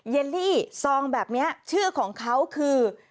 เย็นลี่ซองแบบนี้ชื่อของเขาคือ